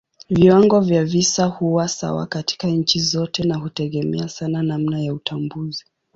Viwango vya visa huwa sawa katika nchi zote na hutegemea sana namna ya utambuzi.